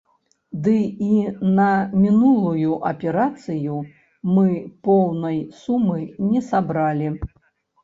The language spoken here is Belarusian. Ды і на мінулую аперацыю мы поўнай сумы не сабралі.